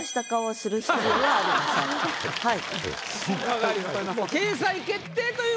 はい。